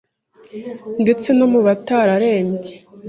ndetse no mu batararembye